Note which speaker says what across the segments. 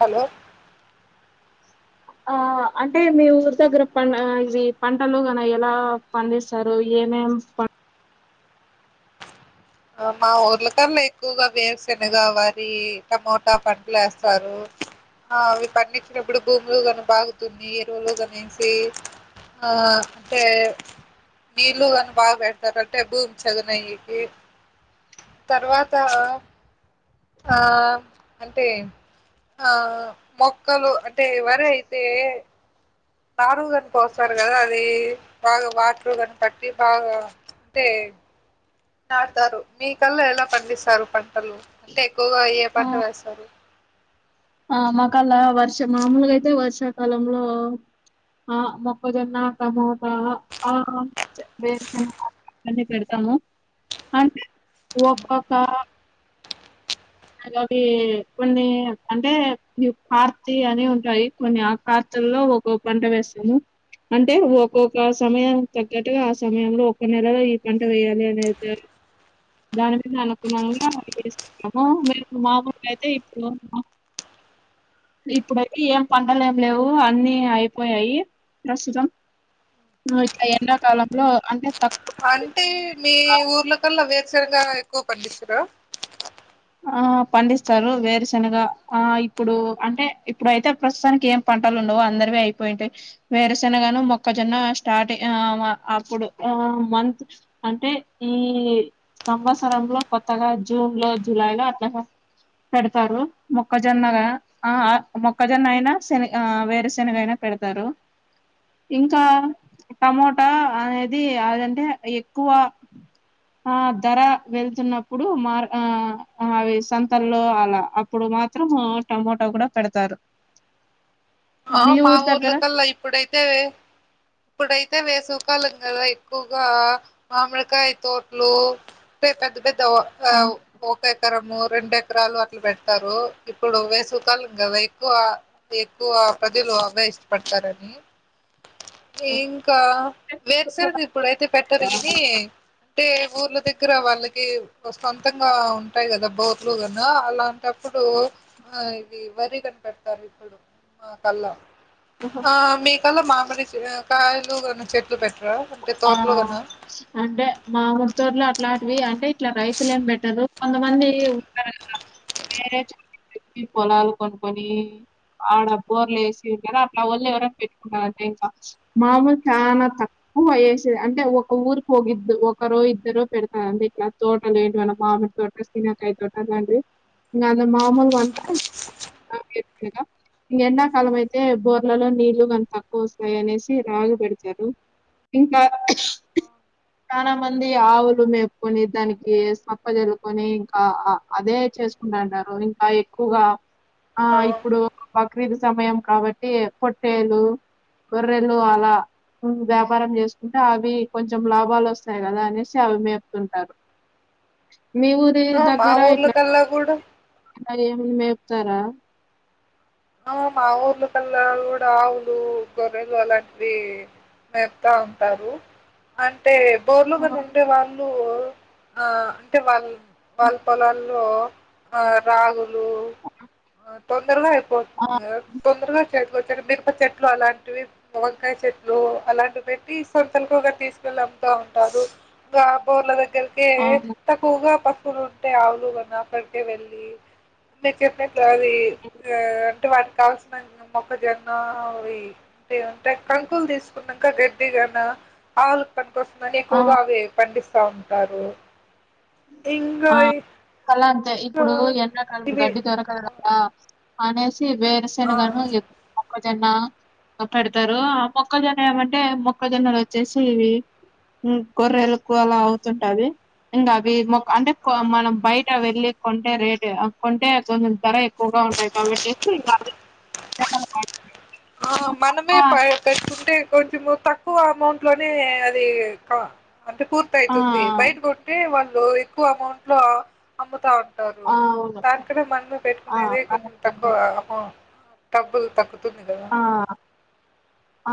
Speaker 1: Hello
Speaker 2: ఆ అంటే మీ ఊరి దగ్గర ప ఇవి పంటలు గన ఎలా పండిస్తారు ఏమేం
Speaker 1: మా ఊర్లకల్లా ఎక్కువగా వేరుశనగ వారి టమోటా పంటలు వేస్తారు ఆ అవి పండించినప్పుడు భూములు కానీ బాగుతున్ని ఎరువులు కనేసి ఆ అంటే నీళ్లు కానీ బాగు పెడతారు అంటే భూమి చగనయ్యది తర్వాత ఆ అంటే ఆ మొక్కలు అంటే ఎవరయితే నారు కనికొస్తారు కదా అది బాగా వాటర్ కనిపట్టి బాగా అంటే నాటతారు మీ కల్ ఎలా పండిస్తారు పంటలు అంటే ఎక్కువగా ఏయే
Speaker 2: ఆ
Speaker 1: పంట వేస్తారు
Speaker 2: ఆ మకలా వర్ష మామూలుగా అయితే వర్షాకాలంలో ఆ మొక్కజొన్న టమాట ఆ వేరుశనగ అన్నీ పెడతాము అంటే ఒక్కొక్క అలాగ కొన్ని అంటే కార్తీ అని ఉంటాయి కొన్ని ఆ కార్తీలో ఒక్కొక్క పంట వేస్తాము అంటే ఒక్కొక్క సమయానికి తగ్గట్టుగా ఆ సమయంలో ఒక్క నెలలో ఈ పంట వేయాలి అని దాని మీద అనుకులంగా మీము మామూలు అయితే ఇప్పుడు ఇప్పుడైతే ఏం పంటలు ఏం లేవు అన్నీ అయిపోయాయి ప్రస్తుతం ఇట్లా ఎండాకాలంలో అంటే తక్కువ నీరు
Speaker 1: అంటే మీ ఊర్ల కల్ల వేరే సొరకాయ ఎక్కువ పండిస్తుర్రా
Speaker 2: ఆ పండిస్తారు వేరుశెనగా ఆ ఇప్పుడు అంటే ఇప్పుడయితే ప్రస్తుతానికి ఏం పంటలు ఉండవు అందరివి అయిపోయింటయి వేరుశెనగాను మొక్కజొన్న స్టార్ట్ ఆ అప్పుడు ఆ మంత్ అంటే ఈ సంవత్సరంలో కొత్తగా జూన్ లో జులైలో అట్లా పెడతారు మొక్కజొన్నగా ఆ మొక్కజొన్న అయినా శనగ ఆ వేరుశనగ అయినా పెడతారు ఇంకా టమోటా అనేది అదంటే ఎక్కువ ఆ ధర వెళ్తున్నప్పుడు మార్ ఆ అవి సంతల్లో అలా అప్పుడు మాత్రం టమోటా కూడా పెడతారు
Speaker 1: ఆ
Speaker 2: మీ
Speaker 1: మా
Speaker 2: ఊరు దగ్గర
Speaker 1: ఊర్లకల్లా ఇప్పుడైతే ఇప్పుడైతే వేసు కాలం గద ఎక్కువగా మామిడికాయ తోట్లు పెద్ద పెద్ద
Speaker 2: ఆ
Speaker 1: ఒక ఎకరము రెండు ఎకరాలు అట్లా పెడతారు ఇప్పుడు వేసవకాలం కదా ఎక్కువ ఎక్కువ ప్రజలు అవే ఇష్టపడతారని ఇంకా వేరుశనగ ఇప్పుడైతే పెట్టరు
Speaker 2: ఆ
Speaker 1: ఇది అంటే ఊర్ల దగ్గర వాళ్ళకి సొంతంగా ఉంటాయి కదా బోర్లు కదా అలాంటప్పుడు ఆ ఇవి వరి కని పెడతారు ఇప్పుడు మాకల్ల
Speaker 2: ఆహా
Speaker 1: ఆ మీకల్ల మామిరి కాయిలు అ చె
Speaker 2: ఆ అంటే మా ముత్తూర్లో అట్లాంటివి వి అంటే ఇట్లా రైతులు ఏం పెట్టరు కొంతమంది ఉంటారు కదా వేరే చ పొలాలు కొనుకొని ఆడ బోర్లు వేసి ఉంటార అట్లా వాళ్ళు ఎవర పెట్టుకున్నారంట ఇంకా మామూలు చానా తక్కువ ఊ వేసే అంటే ఒక ఊరికి ఒక ఇద్దు ఒకరో ఇద్దరు పెడతారుండి ఇట్లా తోటలు ఏంటివన్నా మామిడి తోట సీనాకాయ తోట ఆట్లాంటివి ఇంకా అంత మామూలు అంతా ఇంక ఎండాకాలం అయితే బోర్లలో నీళ్లు కానీ తక్కువ వస్తాయి అనేసి రాగి పెడతారు ఇంకా చానా మంది ఆవులు మేపుకొని దానికి సప్పజల్లుకొని ఇంకా అదే చేసుకుంటు అంటారు ఇంకా ఎక్కువగా ఆ ఇప్పుడు బక్రీద్ సమయం కాబట్టి పొట్టేలు గొర్రెలు అలా వ్యాపారం చేసుకుంటే అవి కొంచెం లాభాలు వస్తాయి కదా అనేసి అవి మేపుతుంటారు మీ ఊరి
Speaker 1: ఆ మా ఊర్ల కల్ల కూడా
Speaker 2: మరి ఏం మేపుతారా
Speaker 1: ఆ మా ఊర్ల కల్ల కూడా ఆవులు గొర్రెలు అలాంటివి మేపుతా ఉంటారు అంటే
Speaker 2: ఆ!
Speaker 1: బోర్లుగన ఉంటే వాళ్ళు ఆ అంటే వాళ్ళు వాళ్ళ పొలాల్లో ఆ రాగులు ఆహ్, తొందరగా
Speaker 2: ఆ!
Speaker 1: తొందరగా చేతికి మిరప చెట్లు అలాంటివి వంకాయ చెట్లు అలాంటివి పెట్టి సంతలకు తీసుకెళ్ళ అమ్ముతా ఉంటారు ఇంగ బోర్ల దగ్గర ఇంకే
Speaker 2: అవును.
Speaker 1: తక్కువగా ప పొలాలు ఉంటే ఆవులు గున అక్కడికే వెళ్ళి మీ చెప్పే స్టోరి అ వాటి కావాల్సిన మొక్కజొన్న అవి అంటే కంకులు తీసుకున్నాక గడ్డిగా గన పనికి వస్తుందని
Speaker 2: ఆ!
Speaker 1: ఎక్కువగా అవే పండిస్తారు సా ఉగుంటారు
Speaker 2: ఆ కలా అంతే
Speaker 1: ఇంకా
Speaker 2: ఇప్పుడు ఎండకాలం
Speaker 1: ఇవి
Speaker 2: గడ్డి దరకల కదా అ వే
Speaker 1: ఆ
Speaker 2: సనగాను ఎ మొక్కజొన్న పెడతారు ఆ మొక్కజొన్న ఏమంటే మొక్కజొన్నలు వచ్చేసి ఇవి గొర్రెలకు అలా అవుతుంటావి ఇంకా వ అంటే
Speaker 1: ఆ ఆ
Speaker 2: మనం బయట వెళ్ళి కొంటే రేటు కొంటే కొంచెం ధర ఎక్కువగా ఉంటాయి కాబట్టిసి ఇ
Speaker 1: ఆ మనమే ప కట్టుకుంటే కొంచము తక్కువ అమౌంట్ లోనే అది అంటే పూర్తి
Speaker 2: ఆ,
Speaker 1: అయితుంది బయట కొట్టటి వా లో ఎక్కువ అమౌంట్ లో అమ్ముతా ఉన్ టారు
Speaker 2: ఆ, అవును
Speaker 1: దానికన్న మనమే
Speaker 2: ఆ,
Speaker 1: పెట్టుకునే కొంచెం తక్కువ
Speaker 2: అట్లనే.
Speaker 1: అమౌంట్ డబ్బులు తక్కుతు కదా
Speaker 2: ఆ,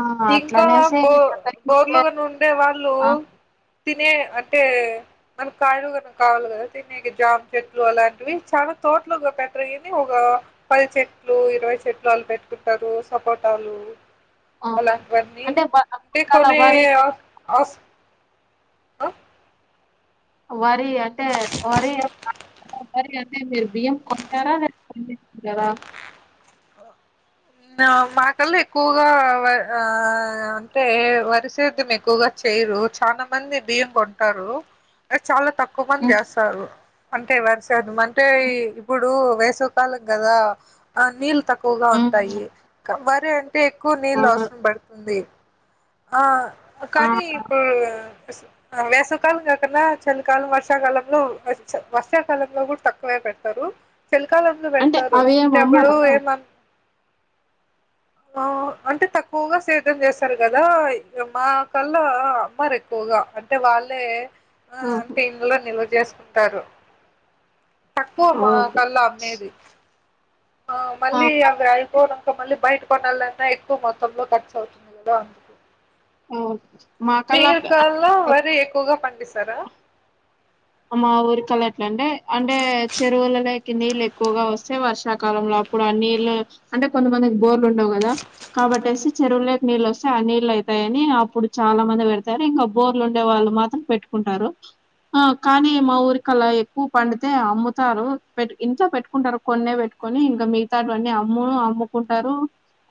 Speaker 2: ఆ,
Speaker 1: ఇంకా
Speaker 2: అట్లనేసి
Speaker 1: బో
Speaker 2: ఇంక దగ్గరికి ఉంటే
Speaker 1: బోర్లుగాని ఉండే వాళ్ళు
Speaker 2: ఆ,
Speaker 1: తినే అంటే మన కాయలుగా కావాలి కదా తినేక జామ్ చెట్లు అలాంటివి చాలా తోటలోగా పెట్ట్రని ఒక పది చెట్లు ఇరవై చెట్లు అళ పెట్టుకుంట ట్టరు సపోటాలు
Speaker 2: ఆ.
Speaker 1: అలాంటివన్నీ
Speaker 2: అంటే బ-
Speaker 1: అంటే
Speaker 2: పక్కాల
Speaker 1: కొన్ని
Speaker 2: వరి
Speaker 1: అస్ అవసర్ ఆ
Speaker 2: వరి అంటే వరి వరి అంటే మీరు బియ్యం కొంటారా లేకుంటె పండించుకుంటారా
Speaker 1: మాకల్లా ఎక్కువగా ఆ అంటే వరి సేద్యం ఎక్కువగా చేయరు చాలా మంది బియ్యం కొంటారు అ చాలా తక్కు కువం
Speaker 2: మ్మ్
Speaker 1: చేస్తారు అంతే వర్స్ మనం అంటే ఇప్పుడు వేసవ్ సవి కాలం గదా ఆ నీళ్ తక్కువగ్ టయి ఇంక వరి అన్ టే ఎక్కువ నీళ్ళు
Speaker 2: అవును
Speaker 1: అవసరం పడుతుంది ఆ
Speaker 2: ఆ
Speaker 1: కానీ ఇప్పుడు వేసవికాలం కాకుండా చలికాలం వర్షాకాలంలో వెచ్ వర్షాకాలంలో కూడా తక్కువే పెడతారు చలికాలంలో
Speaker 2: అంటే
Speaker 1: పెడతారు
Speaker 2: అవి ఏమి
Speaker 1: అంటే అప్పుడు
Speaker 2: అమ్మరా
Speaker 1: ఏమను ఆ అంటే తక్కువగా సేద్యం చేస్తారు కదా మా కల్లా అమ్మరు ఎక్కువగా అంటే వాళ్ళే ఆ
Speaker 2: ఆహా
Speaker 1: టైమ్ లో నిల్వ చేస్ టారరు తక్కువ మా
Speaker 2: అవునులే
Speaker 1: కళ్ళ అమ్మేది ఆ మళ్ళీ అవి అయిపోనంక మళ్ళీ బయట కొనలన్నా ఎక్కువ మొత్తంలో ఖర్చవుతుంది కదా
Speaker 2: అవును మా కల్లా
Speaker 1: మీర్ కాళ్ళ వరి ఎక్కువగా పండిస్ తరా
Speaker 2: మా ఊరికళ ఎట్లంటే అంటే చెరువులకి నీళ్ళు ఎక్కువగా వస్తే వర్షాకాలంలో అప్పుడు ఆ నీళ్ళు అంటే కొంతమందికి బోర్లు ఉండవు కదా కాబట్టేసి చెరువులోకి నీళ్ళు వస్తే ఆ నీళ్ళు అయితాయని అప్పుడు చాలా మంది పెడతారు ఇంకా బోర్లు ఉండే వాళ్ళు మాత్రం పెట్టుకుంటారు ఆ కానీ మా ఊరికలా ఎక్కువ పండితే అమ్ముతారు పెట్ ఇంట్ పెట్టుకుంటారు కొన్నే పెట్టుకొని ఇంకా మిగతాడువన్నీ అమ్మును అమ్ముకుంటారు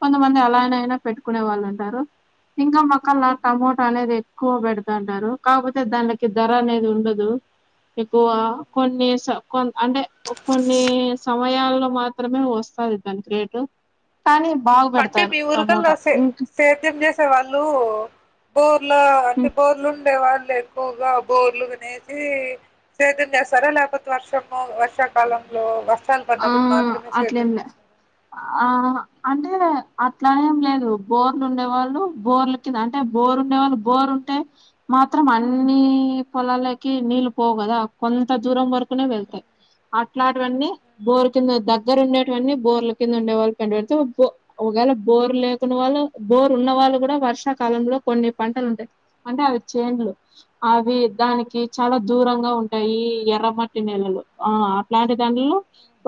Speaker 2: కొంతమంది అలానైనా పెట్టుకునే వాళ్ళు ఉంటారు ఇంకా మాక్కలా టమోటా అనేది ఎక్కువ పెడతంటారు కాకపోతే దానికి ధర అనేది ఉండదు ఎక్కువ కొన్ని కొ అంటే కొన్ని సమయాల్లో మాత్రమే వస్తది దానికికేటు
Speaker 1: అంటే మీ ఊరుకల్ల సే
Speaker 2: ఇంక
Speaker 1: సేద్యం చేసే వాళ్ళు బోర్ల ఆ అంటే
Speaker 2: హ్మ్.
Speaker 1: బోర్లు ఉండే వాళ్ళు ఎక్కువగా బోర్లు గనేసి సేదం చేస్తారా లేకపోతే వర్షము వర్షాకాలంలో వర్షాలు
Speaker 2: ఆ
Speaker 1: పడినప్పుడు మాత్రమే
Speaker 2: అట్లేం
Speaker 1: సేద్యం
Speaker 2: లే
Speaker 1: చేస్తారా
Speaker 2: ఆ అంటే అట్లానేం లేదు బోర్లు ఉండే వాళ్ళు బోర్ల కింద అంటే బోర్ ఉండే వాళ్ళు బోర్ ఉంటే మాత్రం అన్ని పొలాలకి నీళ్ళు పోవు కదా కొంత దూరం వరకునే వెళ్తాయి అట్లాటివన్నీ బోర్ కింద దగ్గర ఉండేటువి అన్నీ బోర్ల కింద ఉండే వాళ్ళు పంట పెడితే ఒకయాళ బోరు లేకున్న వాళ్ళు బోరు ఉన్న వాళ్ళు కూడా వర్షాకాలంలో కొన్ని పంటలు ఉంటాయి అంటే అవి చేన్లు అవి దానికి చాలా దూరంగా ఉంటాయి ఎర్రమట్టి నేలలు ఆ అట్లాంటి దాండ్లో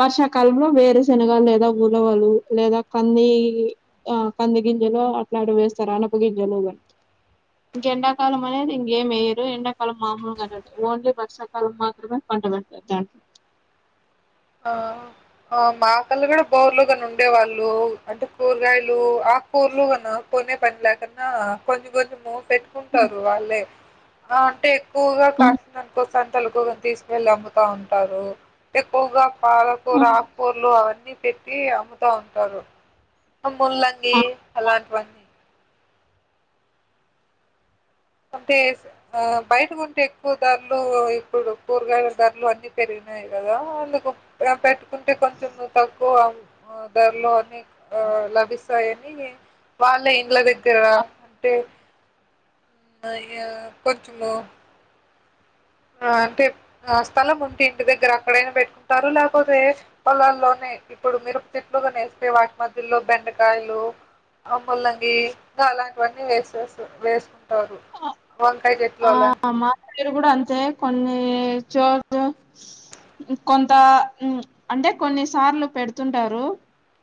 Speaker 2: వర్షాకాలంలో వేరు శనగలు లేదా ఉలవలు లేదా కంది ఆ కంది గింజలు అట్లాటివి వేస్తారు అనప గింజలు కా ఇంకా ఎండాకాలం అనేది ఇంకేం వేయరు ఎండాకాలం మామూలుగా ఓన్లీ వర్షాకాలం మాత్రమే పంట పెడతారు దాంట్లో
Speaker 1: ఆ మాకల్ల కూడా బోర్లుగాని ఉండేవాళ్ళు అంటే కూరగాయలు ఆకూరలు గాను కొనే పని లేకున్నా కొంచెం కొంచెము పెట్టుకుంటారు వాళ్ళే ఆ అం టే ఎక్కువగా కాసింది అనుకో సంతలు కూ తీసుకెళ్ళి అమ్ముతా ఉంటారు ఎక్ పోగా పాలకూరు ఆక్కుర్లు అవన్నీ పెట్టి అమ్ముతా ఉంటారు ముల్లంగి అలాంటివి అన్నీ అంటే ఆ బయట కొంటే ఎక్కువ ధరలు ఇప్పుడు కూరగాయల ధరలు అన్ని పెరిగినాయి కదా అందుకు పెట్టుకుంటే కొంచెం తక్కువ ధరలో అని ఆ లభిస్తాయని వాళ్ళ ఇండ్ల దగ్గర అంటే కొంచుము ఆ అంటే ఆ స్థలం ఉంటి ఇంటి దగ్గర అక్కడైనా పెట్టుకుంటారు లేకపోతే పొలాల్లోనే ఇప్పుడు మీరు చెట్లుగా నేస్తే వాటి మధ్యలో బెండకాయలు ఆ ముల్లంగి అలాంటివన్నీ వేసే వేసు
Speaker 2: ఆ మా సైడు కూడా అ తే కొన్ని చో కొంత అంటే కొన్ని సార్లు పెడుతుంటారు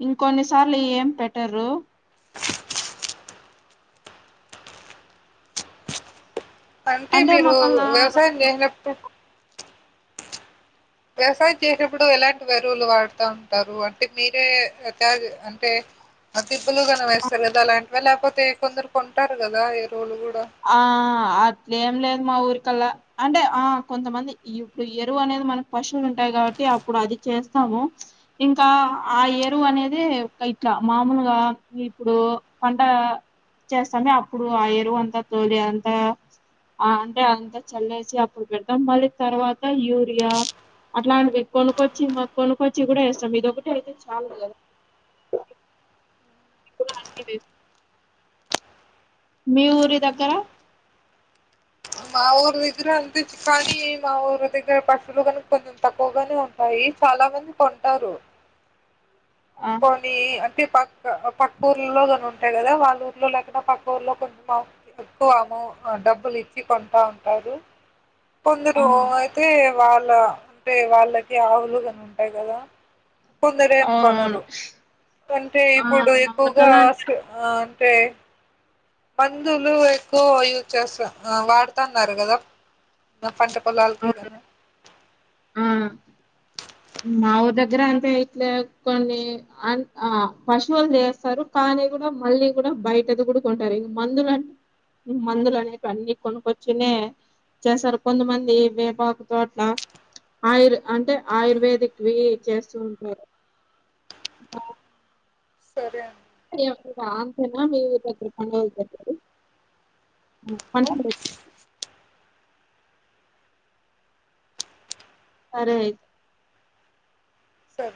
Speaker 2: ఇంకొన్ని సార్లు ఏం పెట్టరు
Speaker 1: అంటే మీరు వ్యవసాయం చేసినప్పుడు వ్యవసాయం చేసినప్పుడు ఎలాంటి వెరువులు వాడుతా ఉంటారు అంటే మీరే తయా ఆంటే దిబ్బలు కన వేస్తారు కదా అలాంటి లేకపోతే కొందరు కొంటారు రు కదా ఎరువులు గు
Speaker 2: ఆ అట్లే ఏంలేదు మా ఊరి కల్లా అంటే ఆ కొంతమంది ఇప్పుడు ఎరువు అనేది మనకి పశువులు ఉంటాయి కాబట్టి అప్పుడు అది చేస్తాము ఇంకా ఆ ఎరువు అనేది ఇట్లా మామూలుగా ఇప్పుడు పంట చేస్తామె అప్పుడు ఆ ఎరువు అంతా తోలి అంతా అంటే అంతా చల్లేసి అప్పుడు పెడతాం మళ్ళీ తర్వాత యూరియా అట్లాంటివి కొనుక్కొచ్చి మా కొనుక్కొచ్చి కూడా ఏస్తాం ఇదొకటి అయితే చాలదు కదా అవి కూడా అన్ని మీ ఊరి దగ్గర
Speaker 1: మా ఊరి దగ్గర అంత చ కానీ మా ఊరి దగ్గర పశువులు కానీ కొంచెం తక్కువగానే ఉంటాయి చాలా మంది కొంటారు
Speaker 2: ఆ
Speaker 1: కొని అ పక్క పక్క ఊర్లో కాని ఉంటాయి కదా వాళ్ళ ఊర్లో లేకడా పక్క ఊర్లో కొంచ ఎక్కువ ఆమో డబ్బులు ఇచ్చ కొంటా ఉంటారు కొందరు
Speaker 2: ఆహా
Speaker 1: అయితే వాళ్ళ అంటే వాళ్ళకి ఆవులుగాని ఉంటాయి కదా కొందరు ఎం కొనరు
Speaker 2: అవునవును
Speaker 1: అంటే
Speaker 2: ఆ
Speaker 1: ఇప్పుడు
Speaker 2: మా
Speaker 1: ఎక్కువగా
Speaker 2: ఊరికల్లా అంతే
Speaker 1: ఆ టే మందులు ఎక్కువ యూజ్ చేస్త వాడుతన్నారు కదా పంట పలాలకే
Speaker 2: అవును
Speaker 1: గను
Speaker 2: ఆ మాఊరు దగ్గర అంతే ఇట్లే కొన్ని అన్ ఆ పశువులు చేస్తారు కానీ కూడా మళ్ళీ కూడా బయటదిగుడా కుంటారు ఇ మందులు మందులు అనే అన్ని కొనుకొచ్చునే చేస్తారు కొంతమంది వేపాకుతో అట్లా ఆయుర్ అంటే ఆయుర్వేదిక్వి చేస్తు ఉంటారు
Speaker 1: సరే అండి
Speaker 2: అంతే మరి సరే అయితే
Speaker 1: సర